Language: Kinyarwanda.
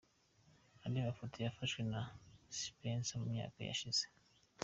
Andi mafoto yafashwe na Spencer mu myaka yashize.